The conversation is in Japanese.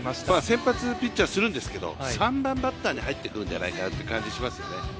先発ピッチャーするんですけど３番バッターに入ってくるんではないかなと思いますね。